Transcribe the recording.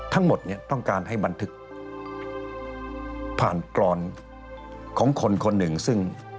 ทั้งหมดเนี่ยต้องการให้บันทึกผ่านกรอนของคนคนหนึ่งซึ่ง